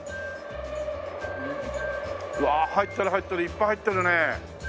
うわあ入ったら入ったでいっぱい入ってるね。